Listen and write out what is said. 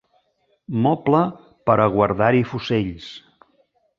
Moble per a guardar-hi fusells.